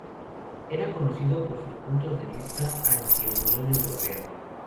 Era conocido por sus puntos de vista anti-Unión Europea.